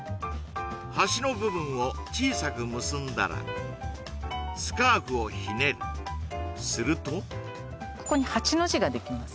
端の部分を小さく結んだらスカーフをひねるするとここに８の字ができます